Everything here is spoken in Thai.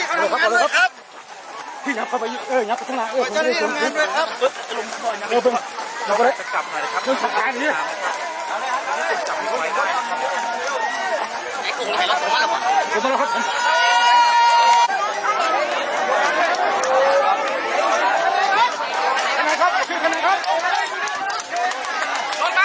ครับที่นับเข้าไปเอ้ยนับเข้าไปข้างล่างเอ้ยของเจ้าที่ด้าน